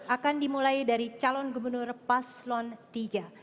akan dimulai dari calon gubernur paslon tiga